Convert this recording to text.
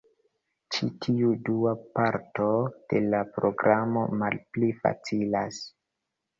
Ĉi tiu dua parto de la programo malpli facilas.